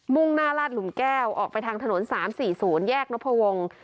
มุ่งหน้าราดหลุมแก้วออกไปทางถนนสามสี่ศูนย์แยกนพวง